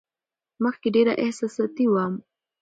مخکې ډېره احساساتي وم.